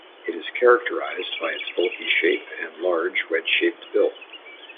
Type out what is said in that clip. It is characterized by its bulky shape and large, wedge-shaped bill.